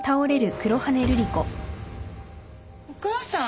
お母さん？